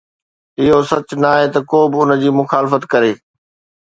اهو سچ ناهي ته ڪو به ان جي مخالفت ڪري.